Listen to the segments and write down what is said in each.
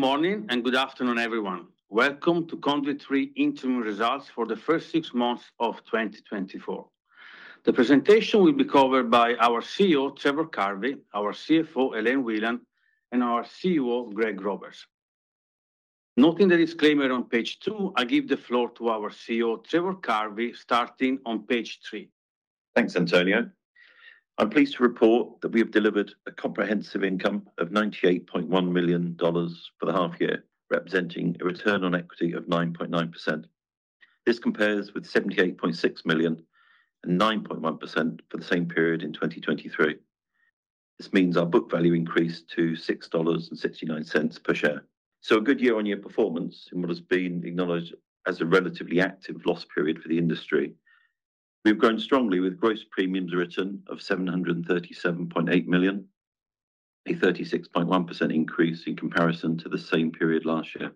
Good morning and good afternoon, everyone. Welcome to Conduit Re's interim results for the first six months of 2024. The presentation will be covered by our CEO, Trevor Carvey, our CFO, Elaine Whelan, and our COO, Greg Roberts. Noting the disclaimer on page two, I give the floor to our CEO, Trevor Carvey, starting on page three. Thanks, Antonio. I'm pleased to report that we have delivered a comprehensive income of $98.1 million for the half year, representing a return on equity of 9.9%. This compares with $78.6 million and 9.1% for the same period in 2023. This means our book value increased to $6.69 per share. So, a good year-on-year performance in what has been acknowledged as a relatively active loss period for the industry. We've grown strongly with gross premiums written of $737.8 million, a 36.1% increase in comparison to the same period last year.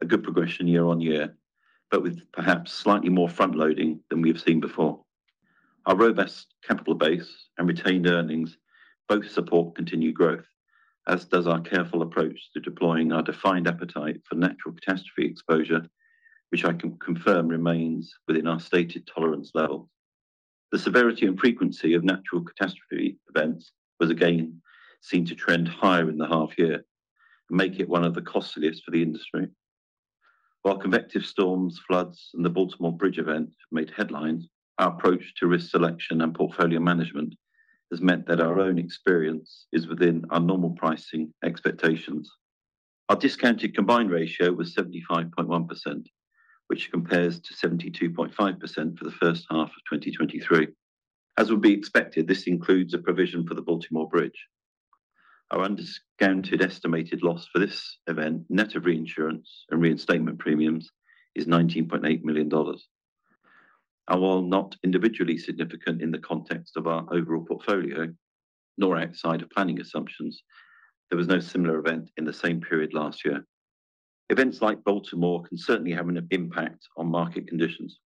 A good progression year-on-year, but with perhaps slightly more front-loading than we have seen before. Our robust capital base and retained earnings both support continued growth, as does our careful approach to deploying our defined appetite for natural catastrophe exposure, which I can confirm remains within our stated tolerance levels. The severity and frequency of natural catastrophe events was again seen to trend higher in the half year, making it one of the costliest for the industry. While convective storms, floods, and the Baltimore Bridge event made headlines, our approach to risk selection and portfolio management has meant that our own experience is within our normal pricing expectations. Our discounted combined ratio was 75.1%, which compares to 72.5% for the first half of 2023. As would be expected, this includes a provision for the Baltimore Bridge. Our undiscounted estimated loss for this event, net of reinsurance and reinstatement premiums, is $19.8 million. While not individually significant in the context of our overall portfolio, nor outside of planning assumptions, there was no similar event in the same period last year. Events like Baltimore can certainly have an impact on market conditions,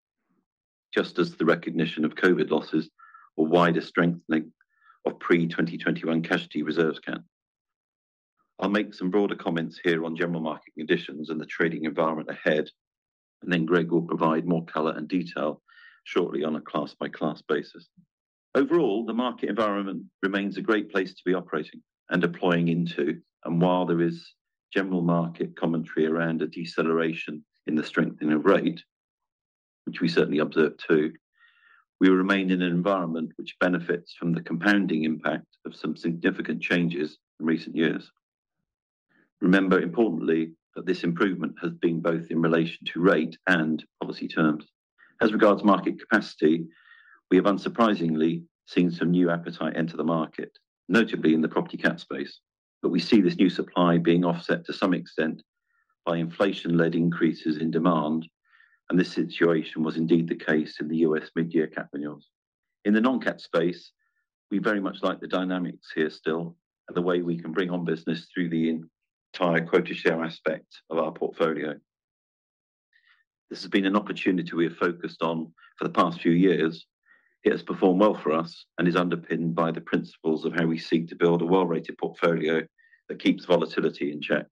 just as the recognition of COVID losses or wider strengthening of pre-2021 cash reserves can. I'll make some broader comments here on general market conditions and the trading environment ahead, and then Greg will provide more color and detail shortly on a class-by-class basis. Overall, the market environment remains a great place to be operating and deploying into, and while there is general market commentary around a deceleration in the strengthening of rate, which we certainly observed too, we remain in an environment which benefits from the compounding impact of some significant changes in recent years. Remember, importantly, that this improvement has been both in relation to rate and policy terms. As regards market capacity, we have unsurprisingly seen some new appetite enter the market, notably in the property cat space, but we see this new supply being offset to some extent by inflation-led increases in demand, and this situation was indeed the case in the U.S. mid-year cat renewals. In the non-cat space, we very much like the dynamics here still and the way we can bring on business through the entire quota share aspect of our portfolio. This has been an opportunity we have focused on for the past few years. It has performed well for us and is underpinned by the principles of how we seek to build a well-rated portfolio that keeps volatility in check.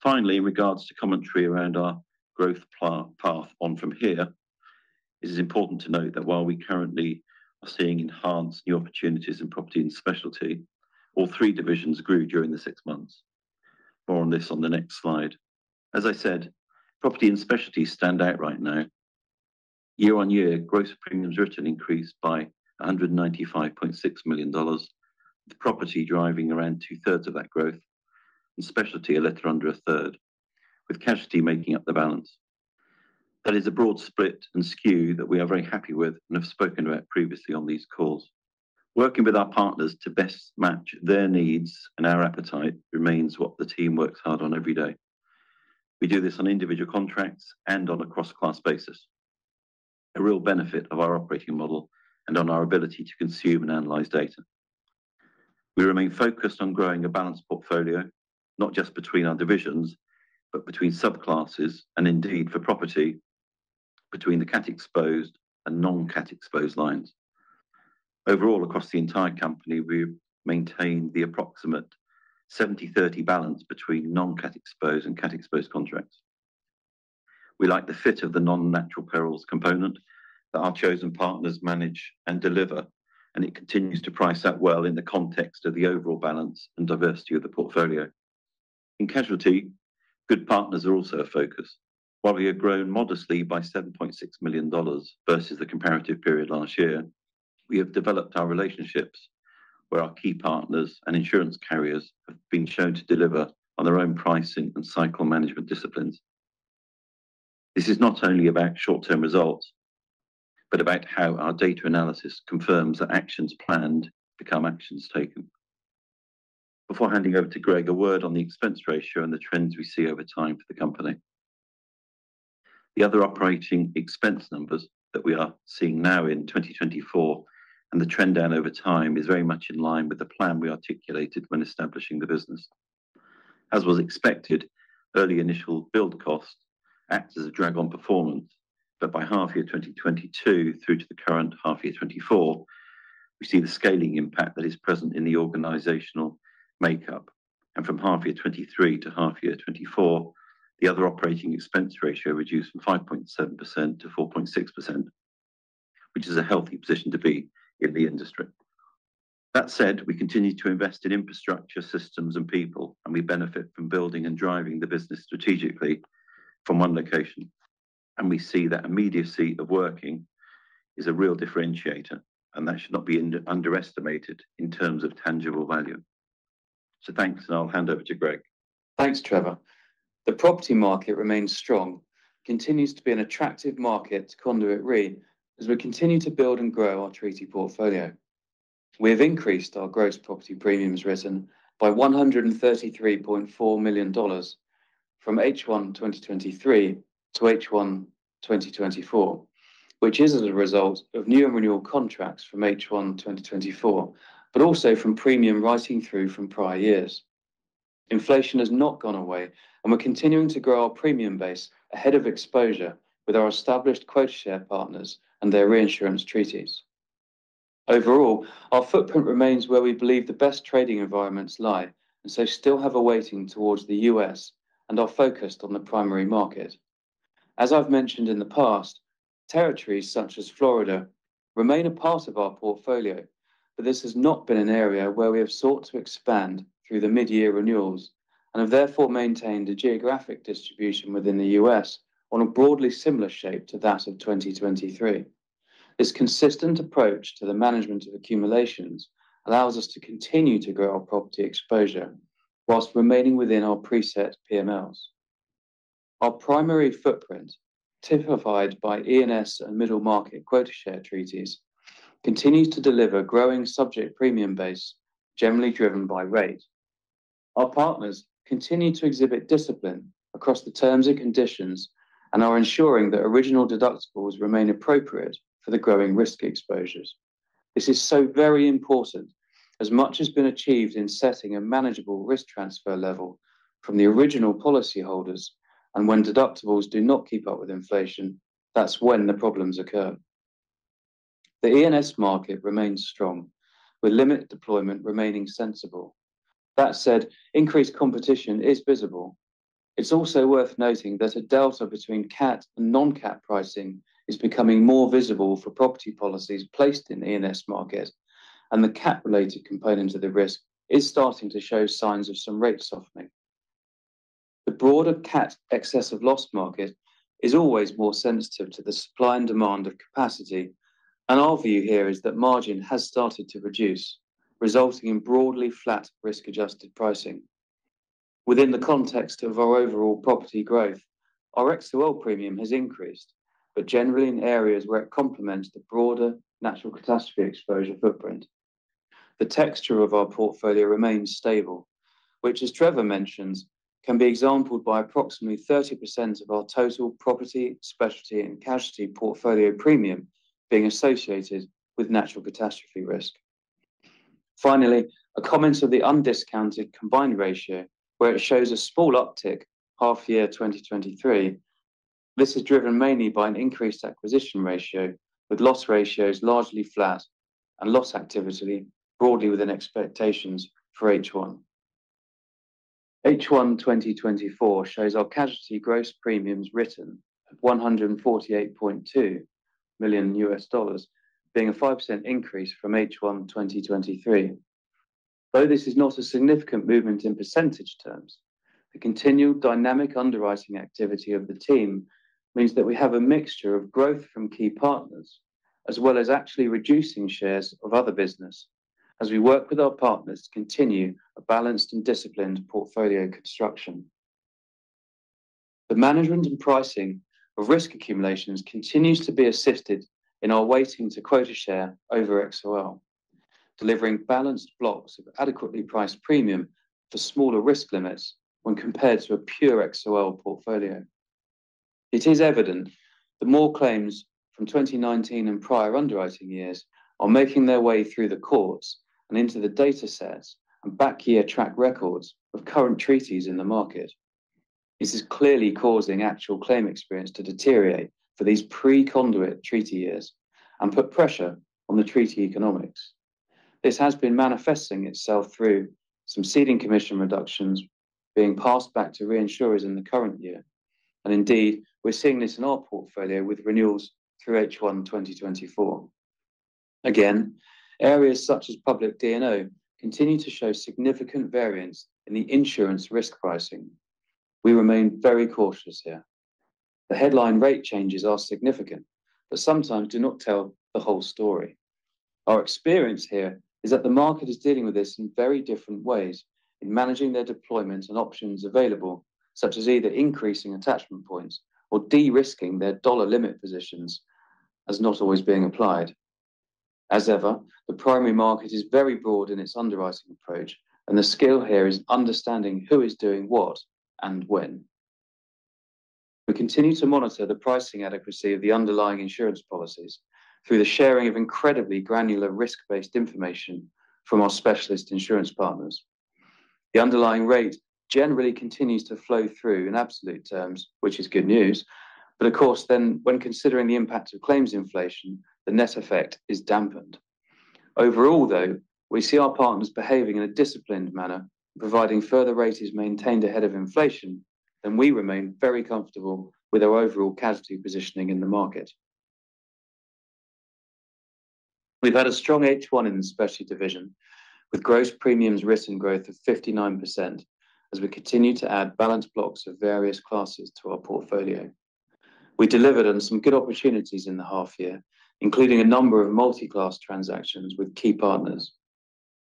Finally, in regards to commentary around our growth path on from here, it is important to note that while we currently are seeing enhanced new opportunities in property and specialty, all three divisions grew during the six months. More on this on the next slide. As I said, property and specialty stand out right now. Year-on-year, gross premiums written increased by $195.6 million, with property driving around 2/3 of that growth and specialty a little under a third, with casualty making up the balance. That is a broad split and skew that we are very happy with and have spoken about previously on these calls. Working with our partners to best match their needs and our appetite remains what the team works hard on every day. We do this on individual contracts and on a cross-class basis, a real benefit of our operating model and on our ability to consume and analyze data. We remain focused on growing a balanced portfolio, not just between our divisions, but between subclasses and indeed for property between the cat exposed and non-cat exposed lines. Overall, across the entire company, we maintain the approximate 70-30 balance between non-cat exposed and cat exposed contracts. We like the fit of the non-natural perils component that our chosen partners manage and deliver, and it continues to price out well in the context of the overall balance and diversity of the portfolio. In casualty, good partners are also a focus. While we have grown modestly by $7.6 million versus the comparative period last year, we have developed our relationships where our key partners and insurance carriers have been shown to deliver on their own pricing and cycle management disciplines. This is not only about short-term results, but about how our data analysis confirms that actions planned become actions taken. Before handing over to Greg, a word on the expense ratio and the trends we see over time for the company. The other operating expense numbers that we are seeing now in 2024 and the trend down over time is very much in line with the plan we articulated when establishing the business. As was expected, early initial build costs act as a drag on performance, but by half year 2022 through to the current half year 2024, we see the scaling impact that is present in the organizational makeup. From half year 2023 to half year 2024, the other operating expense ratio reduced from 5.7% to 4.6%, which is a healthy position to be in the industry. That said, we continue to invest in infrastructure, systems, and people, and we benefit from building and driving the business strategically from one location. And we see that immediacy of working is a real differentiator, and that should not be underestimated in terms of tangible value. So thanks, and I'll hand over to Greg. Thanks, Trevor. The property market remains strong, continues to be an attractive market to Conduit Re as we continue to build and grow our treaty portfolio. We have increased our gross property premiums, risen by $133.4 million from H1 2023 to H1 2024, which is as a result of new and renewal contracts from H1 2024, but also from premium writing through from prior years. Inflation has not gone away, and we're continuing to grow our premium base ahead of exposure with our established quota share partners and their reinsurance treaties. Overall, our footprint remains where we believe the best trading environments lie and so still have a weighting towards the U.S. and are focused on the primary market. As I've mentioned in the past, territories such as Florida remain a part of our portfolio, but this has not been an area where we have sought to expand through the mid-year renewals and have therefore maintained a geographic distribution within the U.S. on a broadly similar shape to that of 2023. This consistent approach to the management of accumulations allows us to continue to grow our property exposure whilst remaining within our preset PMLs. Our primary footprint, typified by E&S and middle market quota share treaties, continues to deliver growing subject premium base generally driven by rate. Our partners continue to exhibit discipline across the terms and conditions and are ensuring that original deductibles remain appropriate for the growing risk exposures. This is so very important as much has been achieved in setting a manageable risk transfer level from the original policyholders, and when deductibles do not keep up with inflation, that's when the problems occur. The E&S market remains strong, with limit deployment remaining sensible. That said, increased competition is visible. It's also worth noting that a delta between cat and non-cat pricing is becoming more visible for property policies placed in the E&S market, and the cat-related component of the risk is starting to show signs of some rate softening. The broader cat excess of loss market is always more sensitive to the supply and demand of capacity, and our view here is that margin has started to reduce, resulting in broadly flat risk-adjusted pricing. Within the context of our overall property growth, our XOL premium has increased, but generally in areas where it complements the broader natural catastrophe exposure footprint. The texture of our portfolio remains stable, which, as Trevor mentions, can be exampled by approximately 30% of our total property, specialty, and casualty portfolio premium being associated with natural catastrophe risk. Finally, a comment on the undiscounted combined ratio, where it shows a small uptick half year 2023. This is driven mainly by an increased acquisition ratio, with loss ratios largely flat and loss activity broadly within expectations for H1. H1 2024 shows our casualty gross premiums written at $148.2 million US dollars, being a 5% increase from H1 2023. Though this is not a significant movement in percentage terms, the continual dynamic underwriting activity of the team means that we have a mixture of growth from key partners as well as actually reducing shares of other business as we work with our partners to continue a balanced and disciplined portfolio construction. The management and pricing of risk accumulations continues to be assisted by our weighting to quota share over XOL, delivering balanced blocks of adequately priced premium for smaller risk limits when compared to a pure XOL portfolio. It is evident that more claims from 2019 and prior underwriting years are making their way through the courts and into the data sets and back-year track records of current treaties in the market. This is clearly causing actual claim experience to deteriorate for these pre-Conduit treaty years and put pressure on the treaty economics. This has been manifesting itself through some ceding commission reductions being passed back to reinsurers in the current year, and indeed we're seeing this in our portfolio with renewals through H1 2024. Again, areas such as public D&O continue to show significant variance in the insurance risk pricing. We remain very cautious here. The headline rate changes are significant, but sometimes do not tell the whole story. Our experience here is that the market is dealing with this in very different ways in managing their deployment and options available, such as either increasing attachment points or de-risking their dollar limit positions, as not always being applied. As ever, the primary market is very broad in its underwriting approach, and the skill here is understanding who is doing what and when. We continue to monitor the pricing adequacy of the underlying insurance policies through the sharing of incredibly granular risk-based information from our specialist insurance partners. The underlying rate generally continues to flow through in absolute terms, which is good news, but of course, then when considering the impact of claims inflation, the net effect is dampened. Overall, though, we see our partners behaving in a disciplined manner and providing further rates maintained ahead of inflation, and we remain very comfortable with our overall casualty positioning in the market. We've had a strong H1 in the specialty division with gross premiums written growth of 59% as we continue to add balance blocks of various classes to our portfolio. We delivered on some good opportunities in the half year, including a number of multi-class transactions with key partners.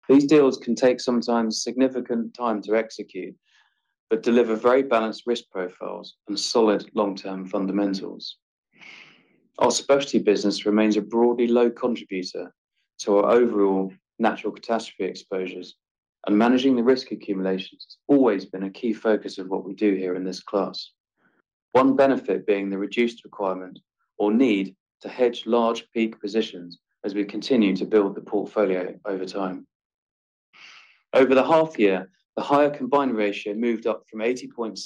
These deals can take sometimes significant time to execute, but deliver very balanced risk profiles and solid long-term fundamentals. Our specialty business remains a broadly low contributor to our overall natural catastrophe exposures, and managing the risk accumulations has always been a key focus of what we do here in this class, one benefit being the reduced requirement or need to hedge large peak positions as we continue to build the portfolio over time. Over the half year, the higher combined ratio moved up from 80.7%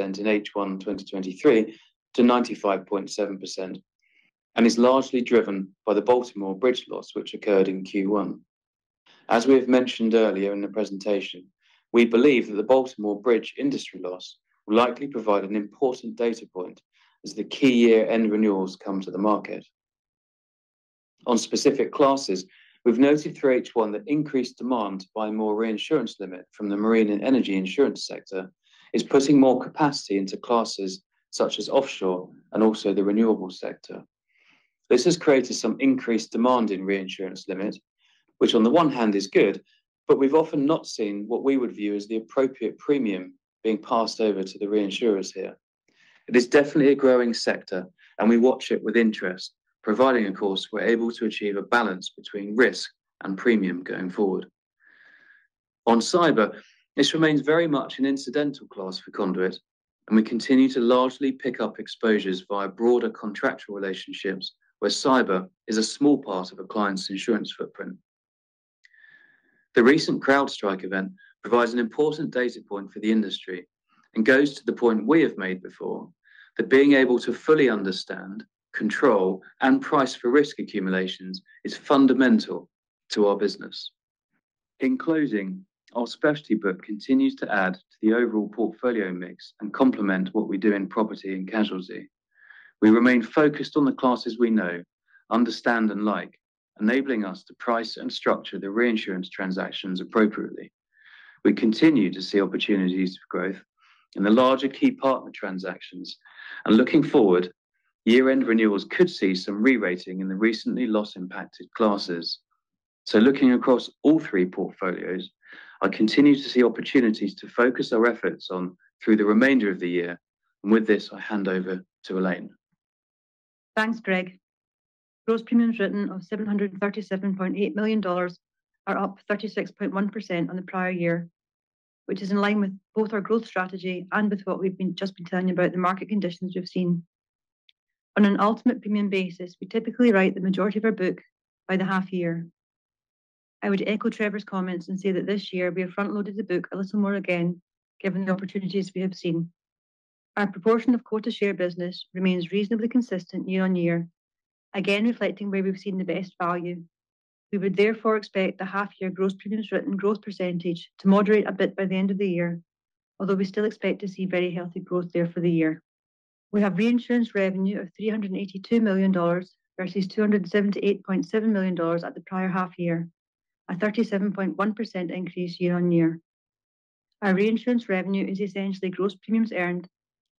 in H1 2023 to 95.7% and is largely driven by the Baltimore Bridge loss, which occurred in Q1. As we have mentioned earlier in the presentation, we believe that the Baltimore Bridge industry loss will likely provide an important data point as the key year-end renewals come to the market. On specific classes, we've noted through H1 that increased demand by more reinsurance limit from the marine and energy insurance sector is putting more capacity into classes such as offshore and also the renewable sector. This has created some increased demand in reinsurance limit, which on the one hand is good, but we've often not seen what we would view as the appropriate premium being passed over to the reinsurers here. It is definitely a growing sector, and we watch it with interest, providing, of course, we're able to achieve a balance between risk and premium going forward. On cyber, this remains very much an incidental class for Conduit, and we continue to largely pick up exposures via broader contractual relationships where cyber is a small part of a client's insurance footprint. The recent CrowdStrike event provides an important data point for the industry and goes to the point we have made before that being able to fully understand, control, and price for risk accumulations is fundamental to our business. In closing, our specialty book continues to add to the overall portfolio mix and complement what we do in property and casualty. We remain focused on the classes we know, understand, and like, enabling us to price and structure the reinsurance transactions appropriately. We continue to see opportunities for growth in the larger key partner transactions, and looking forward, year-end renewals could see some re-rating in the recently loss-impacted classes. So looking across all three portfolios, I continue to see opportunities to focus our efforts on through the remainder of the year, and with this, I hand over to Elaine. Thanks, Greg. Gross premiums written of $737.8 million are up 36.1% on the prior year, which is in line with both our growth strategy and with what we've just been telling you about the market conditions we've seen. On an ultimate premium basis, we typically write the majority of our book by the half year. I would echo Trevor's comments and say that this year we have front-loaded the book a little more again, given the opportunities we have seen. Our proportion of quota share business remains reasonably consistent year on year, again reflecting where we've seen the best value. We would therefore expect the half-year gross premiums written growth percentage to moderate a bit by the end of the year, although we still expect to see very healthy growth there for the year. We have reinsurance revenue of $382 million versus $278.7 million at the prior half year, a 37.1% increase year-on-year. Our reinsurance revenue is essentially gross premiums earned,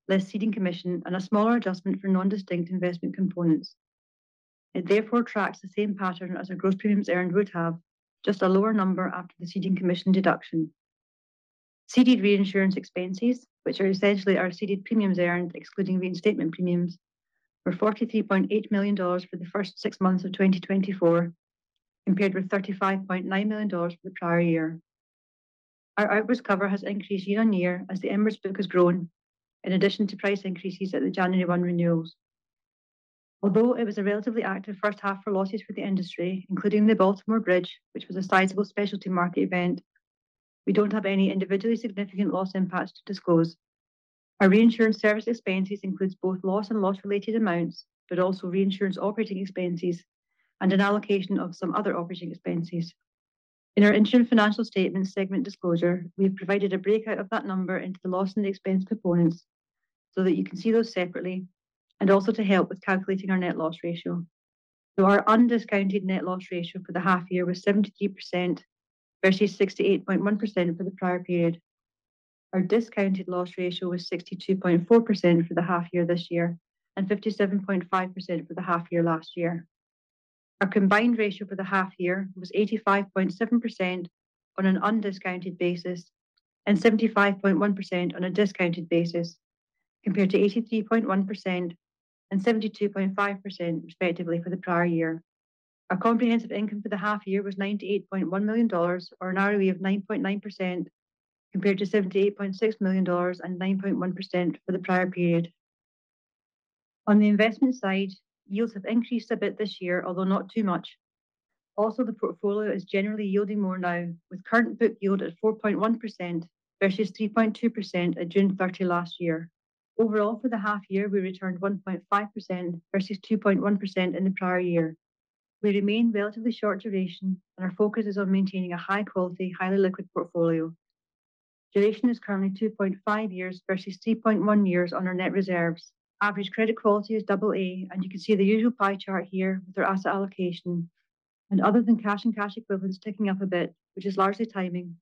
less ceding commission, and a smaller adjustment for non-distinct investment components. It therefore tracks the same pattern as a gross premiums earned would have, just a lower number after the ceding commission deduction. Ceded reinsurance expenses, which are essentially our ceded premiums earned, excluding reinstatement premiums, were $43.8 million for the first six months of 2024, compared with $35.9 million for the prior year. Our outwards cover has increased year-on-year as the inwards book has grown, in addition to price increases at the January 1 renewals. Although it was a relatively active first half for losses for the industry, including the Baltimore Bridge, which was a sizable specialty market event, we don't have any individually significant loss impacts to disclose. Our reinsurance service expenses include both loss and loss-related amounts, but also reinsurance operating expenses and an allocation of some other operating expenses. In our insurance financial statements segment disclosure, we've provided a breakout of that number into the loss and the expense components so that you can see those separately and also to help with calculating our net loss ratio. So our undiscounted net loss ratio for the half year was 72% versus 68.1% for the prior period. Our discounted loss ratio was 62.4% for the half year this year and 57.5% for the half year last year. Our combined ratio for the half year was 85.7% on an undiscounted basis and 75.1% on a discounted basis, compared to 83.1% and 72.5% respectively for the prior year. Our comprehensive income for the half year was $98.1 million or an ROE of 9.9% compared to $78.6 million and 9.1% for the prior period. On the investment side, yields have increased a bit this year, although not too much. Also, the portfolio is generally yielding more now, with current book yield at 4.1% versus 3.2% at June 30 last year. Overall, for the half year, we returned 1.5% versus 2.1% in the prior year. We remain relatively short duration, and our focus is on maintaining a high-quality, highly liquid portfolio. Duration is currently 2.5 years versus 3.1 years on our net reserves. Average credit quality is AA, and you can see the usual pie chart here with our asset allocation. Other than cash and cash equivalents ticking up a bit, which is largely timing,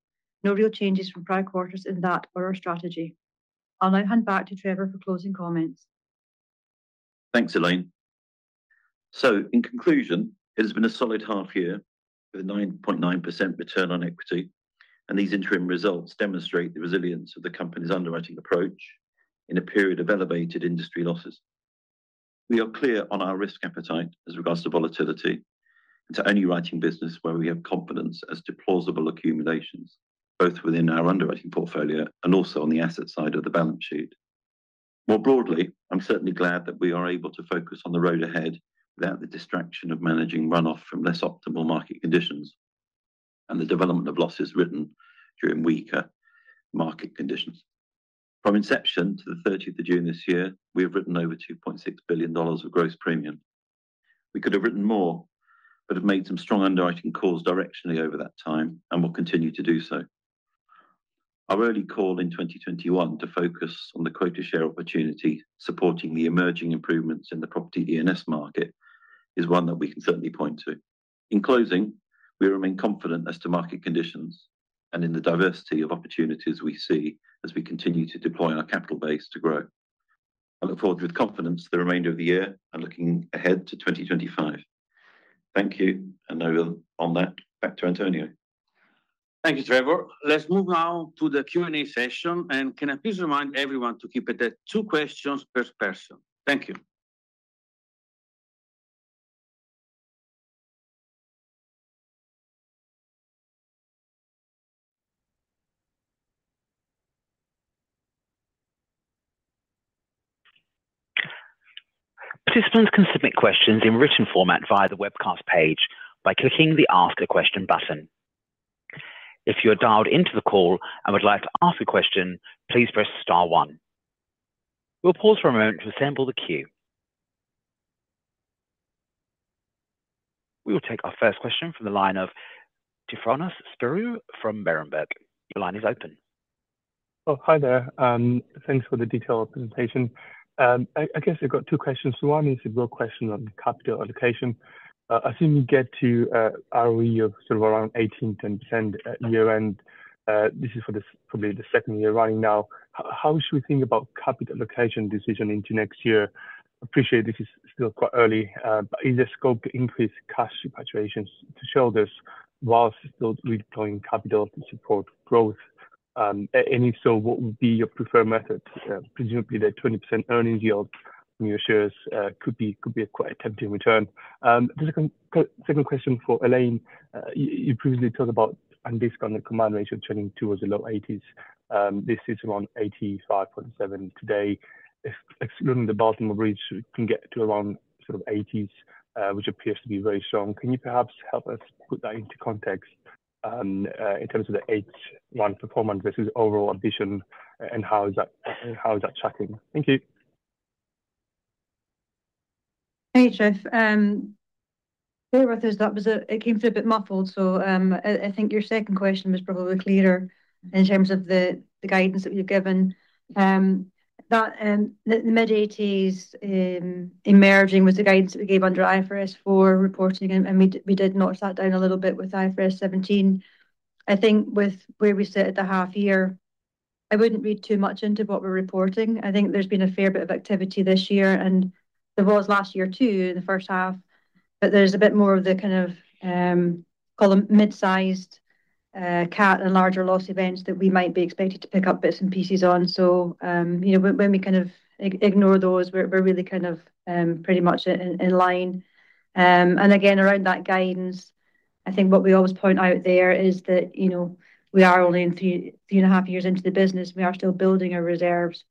no real changes from prior quarters in that or our strategy. I'll now hand back to Trevor for closing comments. Thanks, Elaine. So in conclusion, it has been a solid half year with a 9.9% return on equity, and these interim results demonstrate the resilience of the company's underwriting approach in a period of elevated industry losses. We are clear on our risk appetite as regards to volatility and to only writing business where we have confidence as to plausible accumulations, both within our underwriting portfolio and also on the asset side of the balance sheet. More broadly, I'm certainly glad that we are able to focus on the road ahead without the distraction of managing runoff from less optimal market conditions and the development of losses written during weaker market conditions. From inception to the 30th of June this year, we have written over $2.6 billion of gross premium. We could have written more but have made some strong underwriting calls directionally over that time and will continue to do so. Our early call in 2021 to focus on the quota share opportunity supporting the emerging improvements in the property E&S market is one that we can certainly point to. In closing, we remain confident as to market conditions and in the diversity of opportunities we see as we continue to deploy our capital base to grow. I look forward with confidence to the remainder of the year and looking ahead to 2025. Thank you, and on that, back to Antonio. Thank you, Trevor. Let's move now to the Q&A session, and can I please remind everyone to keep it at two questions per person? Thank you. Participants can submit questions in written format via the webcast page by clicking the Ask a Question button. If you are dialed into the call and would like to ask a question, please press star one. We'll pause for a moment to assemble the queue. We will take our first question from the line of Tryfonas Spyrou from Berenberg. Your line is open. Oh, hi there. Thanks for the detailed presentation. I guess I've got two questions. One is a real question on capital allocation. Assuming you get to ROE of sort of around 18% year-end, this is for probably the second year running now, how should we think about capital allocation decision into next year? Appreciate this is still quite early, but is there scope to increase cash repatriations to shareholders whilst still redeploying capital to support growth? And if so, what would be your preferred method? Presumably, the 20% earnings yield from your shares could be a quite tempting return. Second question for Elaine. You previously talked about and this on the combined ratio trending towards the low 80s. This is around 85.7% today. Excluding the Baltimore Bridge, we can get to around sort of 80s, which appears to be very strong. Can you perhaps help us put that into context in terms of the 8-month performance versus overall ambition, and how is that tracking? Thank you. Hey, Tryf. There was a—it came through a bit muffled, so I think your second question was probably clearer in terms of the guidance that we've given. The mid-80s emerging was the guidance that we gave under IFRS 4 reporting, and we did notch that down a little bit with IFRS 17. I think with where we sit at the half year, I wouldn't read too much into what we're reporting. I think there's been a fair bit of activity this year, and there was last year too in the first half, but there's a bit more of the kind of, call them, mid-sized cat and larger loss events that we might be expected to pick up bits and pieces on. So when we kind of ignore those, we're really kind of pretty much in line. And again, around that guidance, I think what we always point out there is that we are only 3.5 years into the business. We are still building our reserves.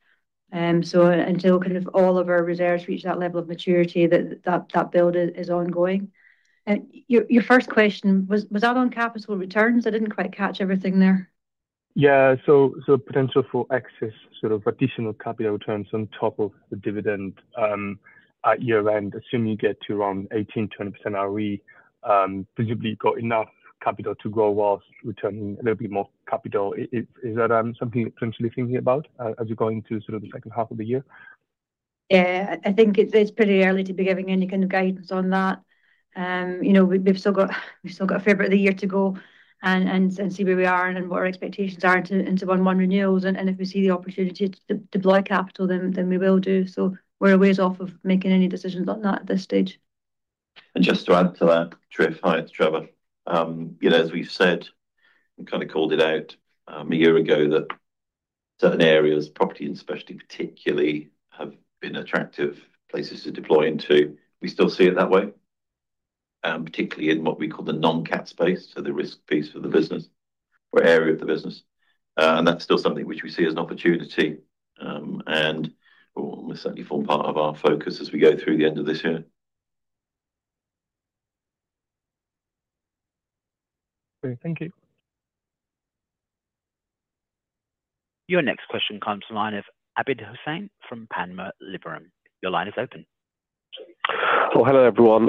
So until kind of all of our reserves reach that level of maturity, that build is ongoing. Your first question, was that on capital returns? I didn't quite catch everything there. Yeah, so potential for excess sort of additional capital returns on top of the dividend at year-end, assuming you get to around 18%-20% ROE, presumably got enough capital to grow whilst returning a little bit more capital. Is that something you're potentially thinking about as you go into sort of the second half of the year? Yeah, I think it's pretty early to be giving any kind of guidance on that. We've still got a fair bit of the year to go and see where we are and what our expectations are into 1/1 renewals. If we see the opportunity to deploy capital, then we will do. We're always off of making any decisions on that at this stage. And just to add to that, Tryf, as we've said, we kind of called it out a year ago that certain areas, property and specialty particularly, have been attractive places to deploy into. We still see it that way, particularly in what we call the non-cat space, so the risk piece for the business or area of the business. And that's still something which we see as an opportunity. And we'll certainly form part of our focus as we go through the end of this year. Great, thank you. Your next question comes to the line of Abid Hussain from Panmure Liberum. Your line is open. Well, hello everyone.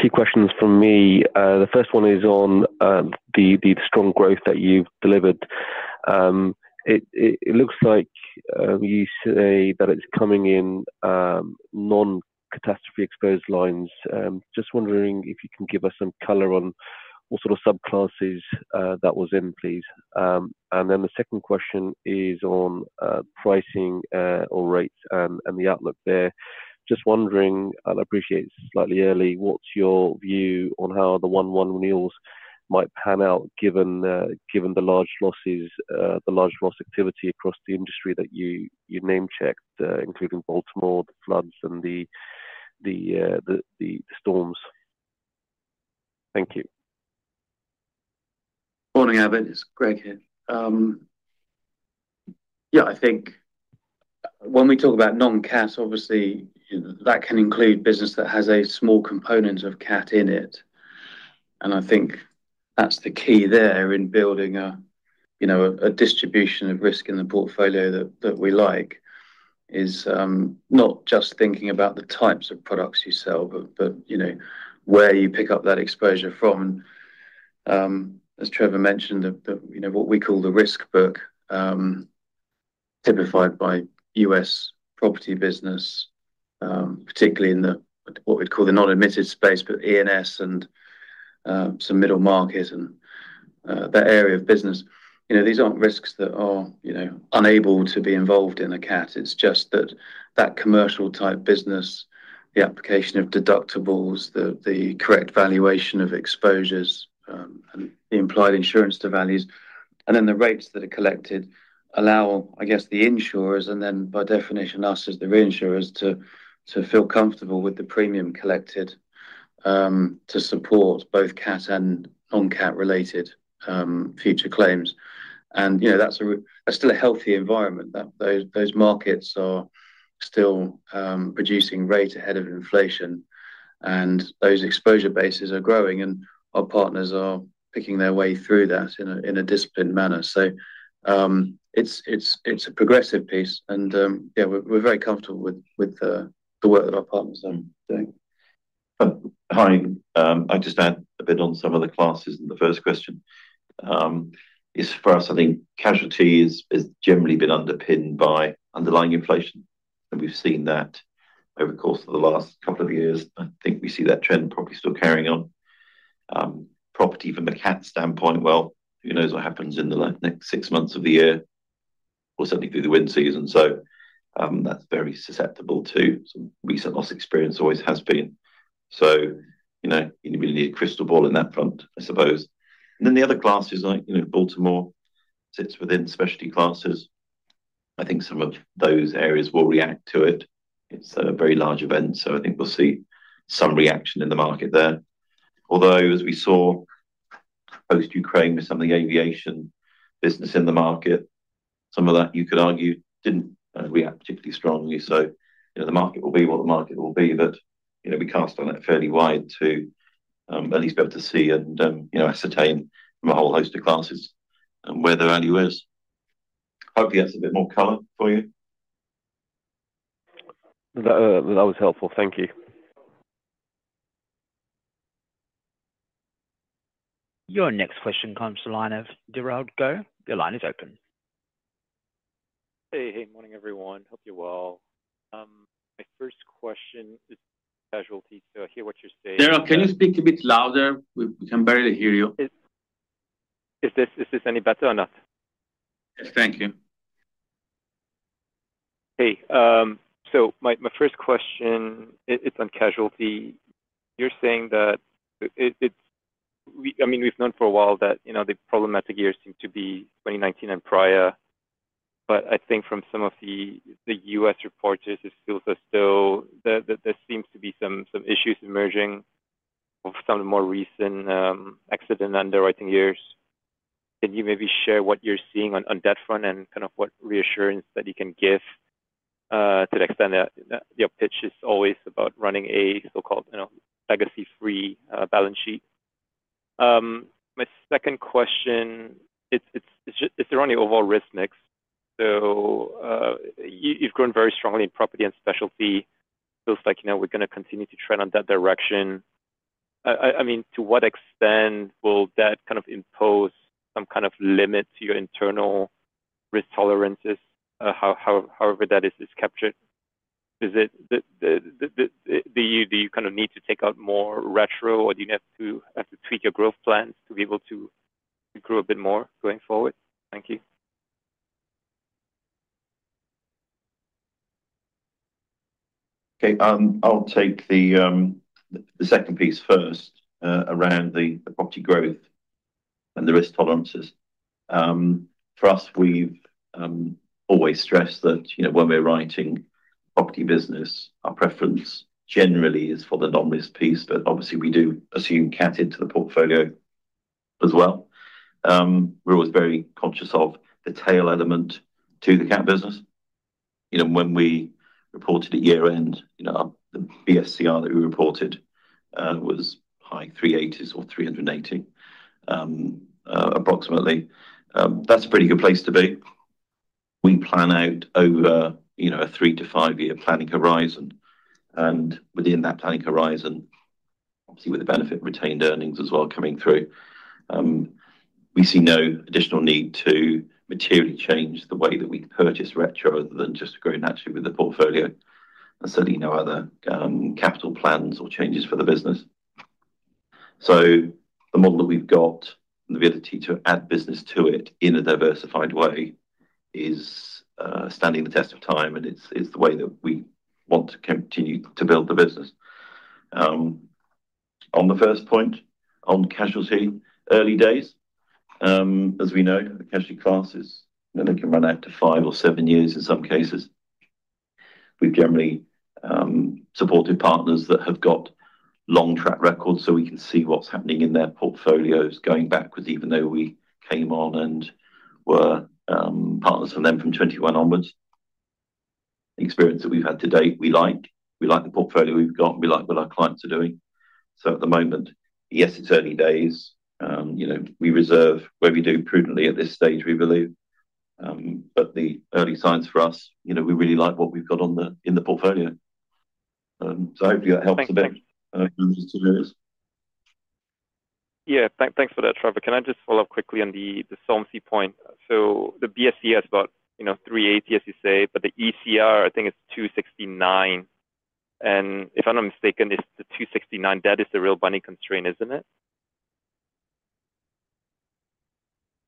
Two questions from me. The first one is on the strong growth that you've delivered. It looks like you say that it's coming in non-catastrophe exposed lines. Just wondering if you can give us some color on what sort of subclasses that was in, please. And then the second question is on pricing or rates and the outlook there. Just wondering, and I appreciate it's slightly early, what's your view on how the 1/1 renewals might pan out given the large losses, the large loss activity across the industry that you name-checked, including Baltimore, the floods, and the storms? Thank you. Morning, Abid. It's Greg here. Yeah, I think when we talk about non-cat, obviously, that can include business that has a small component of cat in it. I think that's the key there in building a distribution of risk in the portfolio that we like is not just thinking about the types of products you sell, but where you pick up that exposure from. As Trevor mentioned, what we call the risk book typified by U.S. property business, particularly in what we'd call the non-admitted space, but E&S and some middle market and that area of business. These aren't risks that are unable to be involved in a cat. It's just that that commercial type business, the application of deductibles, the correct valuation of exposures, and the implied insurance to values, and then the rates that are collected allow, I guess, the insurers, and then by definition, us as the reinsurers, to feel comfortable with the premium collected to support both cat and non-cat related future claims. And that's still a healthy environment. Those markets are still producing rate ahead of inflation, and those exposure bases are growing, and our partners are picking their way through that in a disciplined manner. So it's a progressive piece, and yeah, we're very comfortable with the work that our partners are doing. Hi, I'll just add a bit on some of the classes and the first question. For us, I think casualty has generally been underpinned by underlying inflation. We've seen that over the course of the last couple of years. I think we see that trend probably still carrying on. Property from a cat standpoint, well, who knows what happens in the next six months of the year or certainly through the winter season. So that's very susceptible too. Some recent loss experience always has been. So you really need a crystal ball in that front, I suppose. And then the other classes, Baltimore sits within specialty classes. I think some of those areas will react to it. It's a very large event, so I think we'll see some reaction in the market there. Although, as we saw post-Ukraine with some of the aviation business in the market, some of that, you could argue, didn't react particularly strongly. So the market will be what the market will be, but we cast on it fairly wide to at least be able to see and ascertain from a whole host of classes where the value is. Hopefully, that's a bit more color for you. That was helpful. Thank you. Your next question comes to the line of Derald Goh. Your line is open. Hey, hey. Morning, everyone. Hope you're well. My first question is casualty. So I hear what you're saying. Derald, can you speak a bit louder? We can barely hear you. Is this any better or not? Thank you. Hey, so my first question, it's on casualty. You're saying that, I mean, we've known for a while that the problematic years seem to be 2019 and prior. But I think from some of the U.S. reports, it feels as though there seems to be some issues emerging of some of the more recent accident and underwriting years. Can you maybe share what you're seeing on that front and kind of what reassurance that you can give to the extent that your pitch is always about running a so-called legacy-free balance sheet? My second question, is there only overall risk mix? So you've grown very strongly in property and specialty. It feels like we're going to continue to trend in that direction. I mean, to what extent will that kind of impose some kind of limit to your internal risk tolerances, however that is captured? Do you kind of need to take out more retro, or do you have to tweak your growth plans to be able to grow a bit more going forward? Thank you. Okay, I'll take the second piece first around the property growth and the risk tolerances. For us, we've always stressed that when we're writing property business, our preference generally is for the non-risk piece, but obviously, we do assume cat into the portfolio as well. We're always very conscious of the tail element to the cat business. When we reported at year-end, the BSCR that we reported was high 380s or 380 approximately. That's a pretty good place to be. We plan out over a 3-5-year planning horizon. And within that planning horizon, obviously, with the benefit of retained earnings as well coming through, we see no additional need to materially change the way that we purchase retro other than just growing naturally with the portfolio and certainly no other capital plans or changes for the business. So the model that we've got and the ability to add business to it in a diversified way is standing the test of time, and it's the way that we want to continue to build the business. On the first point, on casualty early days, as we know, the casualty classes can run out to 5 or 7 years in some cases. We've generally supported partners that have got long track records so we can see what's happening in their portfolios going backwards, even though we came on and were partners for them from 2021 onwards. The experience that we've had to date, we like. We like the portfolio we've got. We like what our clients are doing. So at the moment, yes, it's early days. We reserve where we do prudently at this stage, we believe. The early signs for us, we really like what we've got in the portfolio. Hopefully, that helps a bit. Yeah, thanks for that, Trevor. Can I just follow up quickly on the solvency point? So the BSCR is about 380, as you say, but the ECR, I think it's 269. And if I'm not mistaken, it's the 269. That is the real binding constraint, isn't it?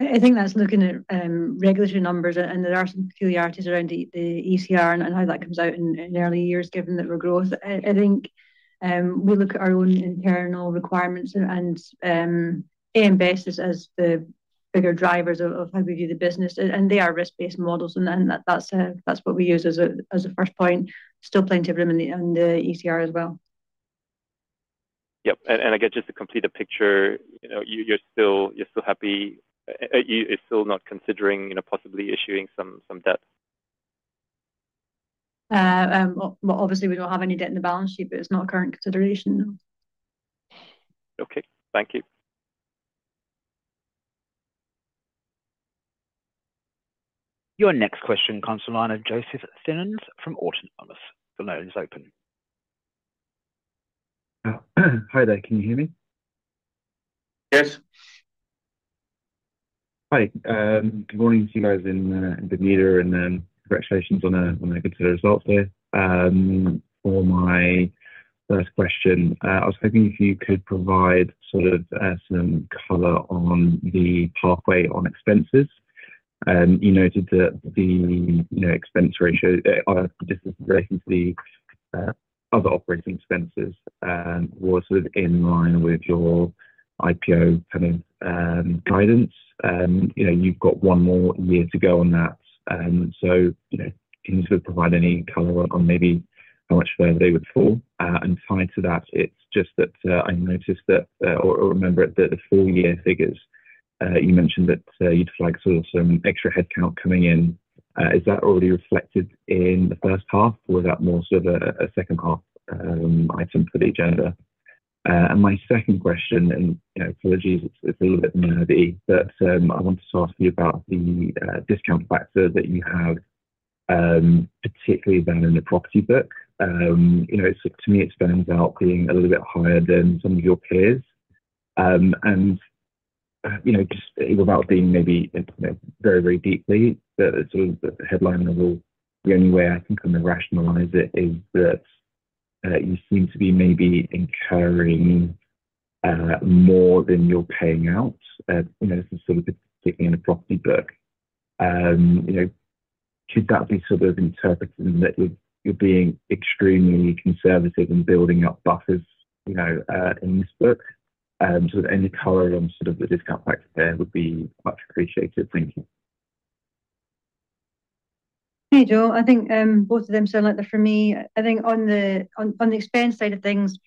I think that's looking at regulatory numbers, and there are some peculiarities around the ECR and how that comes out in early years, given that we're growth. I think we look at our own internal requirements and AM Best as the bigger drivers of how we view the business. And they are risk-based models, and that's what we use as a first point. Still playing to everyone in the ECR as well. Yep. I guess just to complete the picture, you're still happy? It's still not considering possibly issuing some debt? Well, obviously, we don't have any debt in the balance sheet, but it's not a current consideration. Okay. Thank you. Your next question, Joseph Theuns from Autonomous Research. The line is open. Hi there. Can you hear me? Yes. Hi. Good morning to you guys in the room, and congratulations on a good set of results there. For my first question, I was hoping if you could provide sort of some color on the pathway on expenses. You noted that the expense ratio, this is relating to the other operating expenses, was sort of in line with your IPO kind of guidance. You've got one more year to go on that. So can you sort of provide any color on maybe how much further they would fall? And tied to that, it's just that I noticed that, or remember that the full year figures, you mentioned that you'd like sort of some extra headcount coming in. Is that already reflected in the first half, or is that more sort of a second-half item for the agenda? And my second question, and apologies, it's a little bit nerdy, but I wanted to ask you about the discount factor that you have, particularly then in the property book. To me, it stands out being a little bit higher than some of your peers. And just without being maybe very, very deeply, sort of the headline level, the only way I can kind of rationalize it is that you seem to be maybe incurring more than you're paying out. This is sort of particularly in the property book. Could that be sort of interpreted in that you're being extremely conservative in building up buffers in this book? So any color on sort of the discount factor there would be much appreciated. Thank you. Hey, Joe. I think both of them sound like that for me. I think on the expense side of things,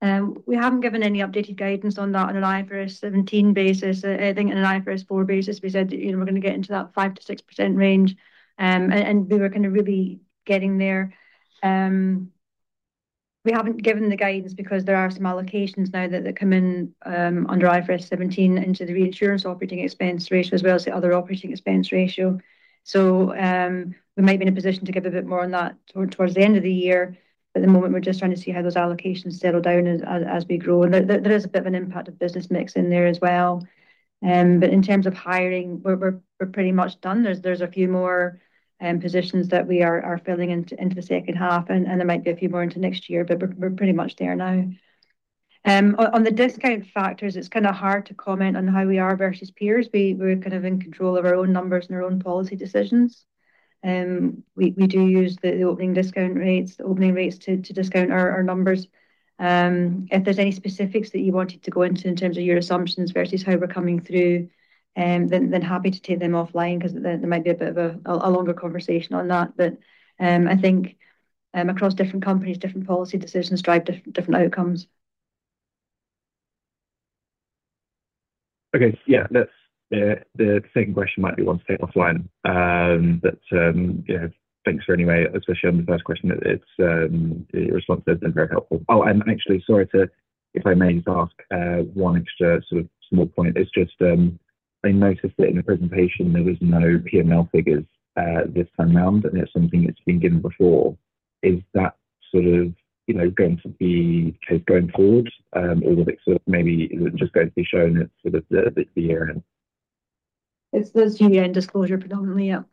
we haven't given any updated guidance on that on an IFRS 17 basis. I think on an IFRS 4 basis, we said we're going to get into that 5%-6% range. And we were kind of really getting there. We haven't given the guidance because there are some allocations now that come in under IFRS 17 into the reinsurance operating expense ratio as well as the other operating expense ratio. So we might be in a position to give a bit more on that towards the end of the year. But at the moment, we're just trying to see how those allocations settle down as we grow. And there is a bit of an impact of business mix in there as well. In terms of hiring, we're pretty much done. There's a few more positions that we are filling into the second half, and there might be a few more into next year, but we're pretty much there now. On the discount factors, it's kind of hard to comment on how we are versus peers. We're kind of in control of our own numbers and our own policy decisions. We do use the opening discount rates, the opening rates to discount our numbers. If there's any specifics that you wanted to go into in terms of your assumptions versus how we're coming through, then happy to take them offline because there might be a bit of a longer conversation on that. But I think across different companies, different policy decisions drive different outcomes. Okay. Yeah. The second question might be one to take offline. But thanks anyway, especially on the first question. Your response has been very helpful. Oh, and actually, sorry to, if I may just ask one extra sort of small point. It's just I noticed that in the presentation, there were no PML figures this time around, and it's something that's been given before. Is that sort of going to be the case going forward, or will it sort of maybe just going to be shown at sort of the year-end? It's the year-end disclosure predominantly, yep.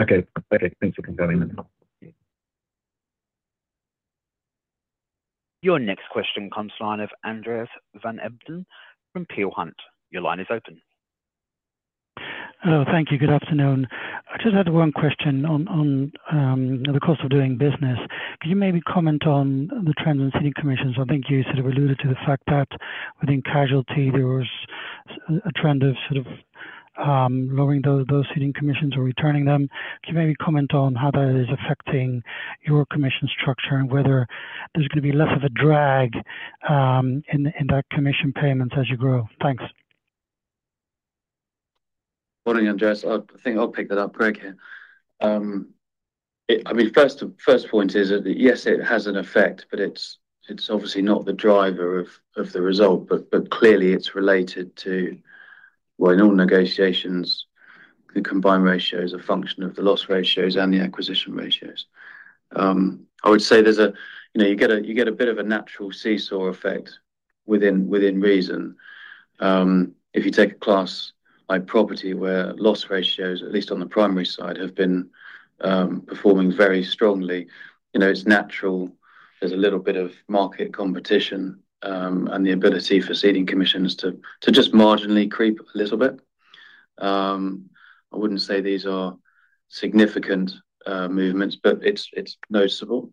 Okay. Okay. Thanks for confirming that. Your next question, Andreas van Embden from Peel Hunt. Your line is open. Thank you. Good afternoon. I just had one question on the cost of doing business. Could you maybe comment on the trends in ceding commissions? I think you sort of alluded to the fact that within Casualty, there was a trend of sort of lowering those ceding commissions or returning them. Could you maybe comment on how that is affecting your commission structure and whether there's going to be less of a drag in that commission payments as you grow? Thanks. Morning, Andreas. I think I'll pick that up. Great. I mean, first point is that, yes, it has an effect, but it's obviously not the driver of the result. But clearly, it's related to, well, in all negotiations, the combined ratios are a function of the loss ratios and the acquisition ratios. I would say there's a you get a bit of a natural seesaw effect within reason. If you take a class like property where loss ratios, at least on the primary side, have been performing very strongly, it's natural there's a little bit of market competition and the ability for ceding commissions to just marginally creep a little bit. I wouldn't say these are significant movements, but it's noticeable.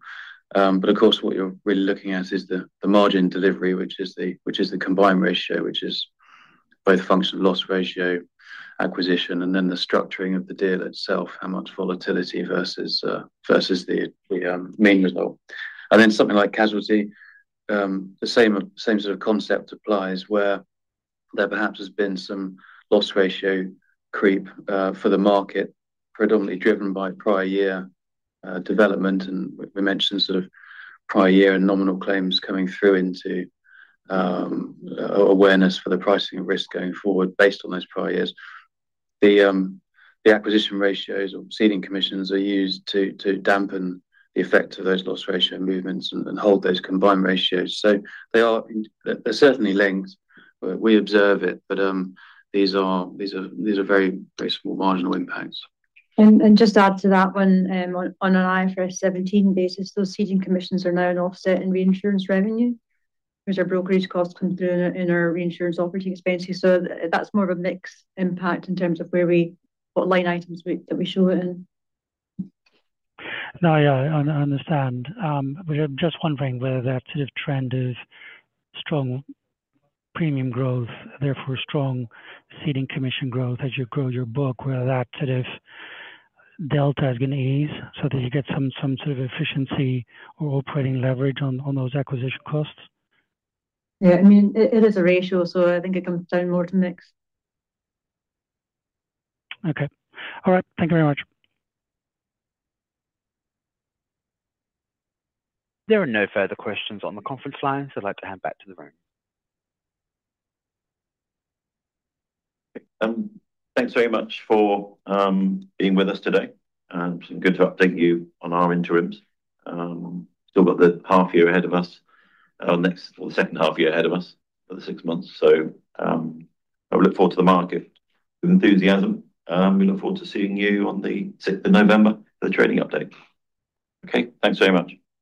But of course, what you're really looking at is the margin delivery, which is the combined ratio, which is both functional loss ratio, acquisition, and then the structuring of the deal itself, how much volatility versus the main result. And then something like casualty, the same sort of concept applies where there perhaps has been some loss ratio creep for the market, predominantly driven by prior year development. And we mentioned sort of prior year and nominal claims coming through into awareness for the pricing of risk going forward based on those prior years. The acquisition ratios or ceding commissions are used to dampen the effect of those loss ratio movements and hold those combined ratios. So they're certainly linked. We observe it, but these are very small marginal impacts. Just add to that one, on an IFRS 17 basis, those ceding commissions are now an offset in reinsurance revenue, which are brokerage costs coming through in our reinsurance operating expenses. That's more of a mixed impact in terms of where we what line items that we show it in. No, yeah, I understand. We're just wondering whether that sort of trend of strong premium growth, therefore strong ceding commission growth as you grow your book, whether that sort of delta is going to ease so that you get some sort of efficiency or operating leverage on those acquisition costs? Yeah. I mean, it is a ratio, so I think it comes down more to mix. Okay. All right. Thank you very much. There are no further questions on the conference line, so I'd like to hand back to the room. Thanks very much for being with us today. It's good to update you on our interims. We've still got the half year ahead of us, or the second half year ahead of us, for the six months. So I look forward to the market with enthusiasm. We look forward to seeing you on the 6th of November for the trading update. Okay. Thanks very much.